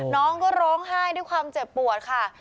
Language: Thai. น้องก็ร้องไห้ด้วยความเจ็บปวดค่ะ